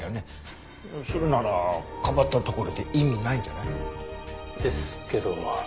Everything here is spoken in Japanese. それならかばったところで意味ないんじゃない？ですけど。